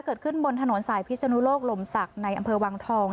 เกิดขึ้นบนถนนสายพิศนุโลกลมศักดิ์ในอำเภอวังทอง